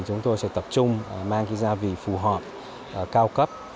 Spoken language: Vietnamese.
chúng tôi sẽ tập trung mang gia vị phù hợp cao cấp